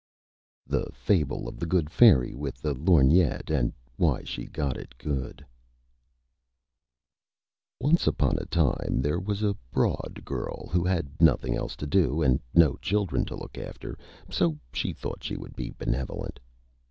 _ THE FABLE OF THE GOOD FAIRY WITH THE LORGNETTE, AND WHY SHE GOT IT GOOD Once Upon a Time there was a Broad Girl who had nothing else to do and no Children to look after, so she thought she would be Benevolent.